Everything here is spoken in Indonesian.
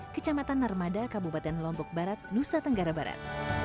kecamatan armada kabupaten lombok barat nusa tenggara barat